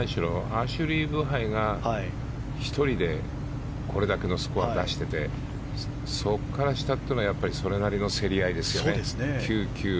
アシュリー・ブハイが１人でこれだけのスコアを出していてそこから下というのはそれなりの競り合いですよね。